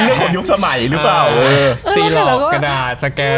พี่ป๋อภาพน่ารักมาก